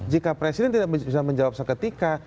jika presiden tidak bisa menjawab seketika